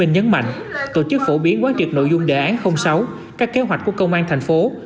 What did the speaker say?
nhấn mạnh tổ chức phổ biến quá trực nội dung đề án sáu các kế hoạch của công an tp hcm